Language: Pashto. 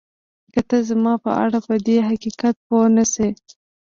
که ته زما په اړه پدې حقیقت پوه نه شې